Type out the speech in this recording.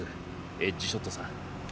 エッジショットさん。